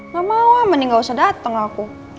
gak mau amat nih gak usah dateng aku